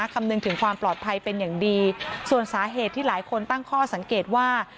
คำนึงถึงความปลอดภัยเป็นอย่างดีส่วนสาเหตุที่หลายคนตั้งข้อสังเกตว่า